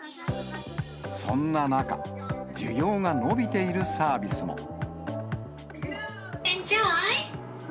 そんな中、需要が伸びているサービスも。